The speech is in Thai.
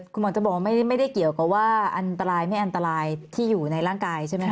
คุณหมอจะบอกว่าไม่ได้เกี่ยวกับว่าอันตรายไม่อันตรายที่อยู่ในร่างกายใช่ไหมค